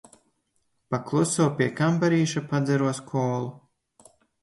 Pa kluso pie kambarīša padzeros kolu.